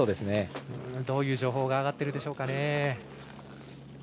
どういう情報が上がってるでしょうか。